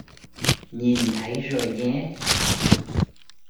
Nhìn thấy rồi nhé